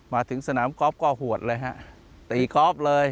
มาถึงสนามกอล์ฟก็หวดเลยฮะตีกอล์ฟเลย